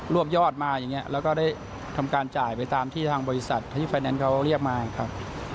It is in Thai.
วบยอดมาอย่างนี้แล้วก็ได้ทำการจ่ายไปตามที่ทางบริษัทที่ไฟแนนซ์เขาเรียกมาครับ